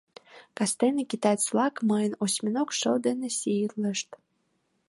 Кастене китаец-влак мыйым осьминог шыл дене сийлышт.